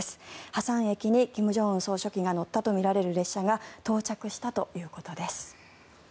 ハサン駅に金正恩総書記が乗ったとみられる列車が到着したということです。